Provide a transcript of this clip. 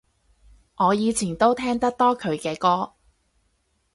我以前都聽得多佢嘅歌